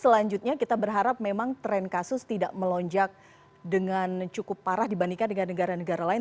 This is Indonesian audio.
selanjutnya kita berharap memang tren kasus tidak melonjak dengan cukup parah dibandingkan dengan negara negara lain